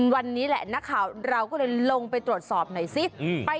วันนี้แหละนักข่าวเราก็เลยลงไปตรวจสอบหน่อยสิ